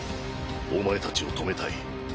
お前たちを止めたい。